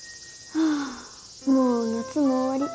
はあもう夏も終わり。